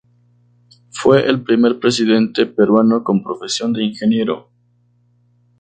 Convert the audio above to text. Fue el primer presidente peruano con profesión de ingeniero.